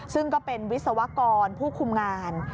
ซึ่งก็เป็นวิศวกรผู้คุมงาน